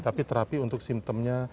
tapi terapi untuk simptomnya